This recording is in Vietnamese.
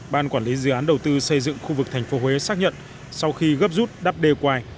ban quản lý dự án đầu tư xây dựng khu vực thành phố huế xác nhận sau khi gấp rút đắp đề quài